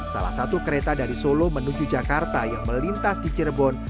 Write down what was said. salah satu kereta dari solo menuju jakarta yang melintas di cirebon